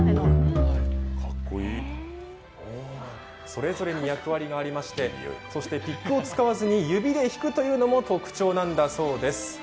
それぞれに役割がありまして、ピックを使わずに指で弾くというのも特徴なんだそうです。